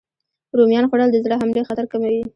رومیان خوړل د زړه حملې خطر کموي.